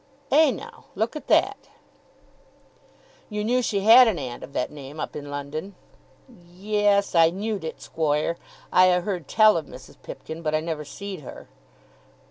"Eh, now; look at that." "You knew she had an aunt of that name up in London." "Ye es; I knew'd it, squoire. I a' heard tell of Mrs. Pipkin, but I never see'd her."